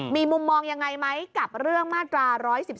มีมุมมองยังไงไหมกับเรื่องมาตรา๑๑๒